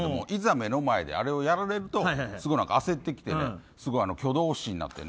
目の前で、あれをやられるとすごい焦ってきて挙動不審になってね